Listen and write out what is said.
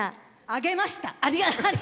あげました！